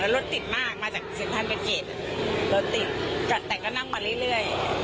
แล้วรถติดมากมาจากเซียงท่านเกษรถติดแต่ก็นั่งมาเรื่อย